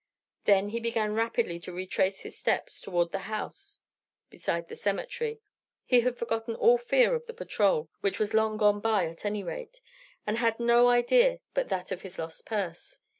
Then he began rapidly to retrace his steps toward the house beside the cemetery. He had forgotten all fear of the patrol, which was long gone by at any rate, and had no idea but that of his lost purse.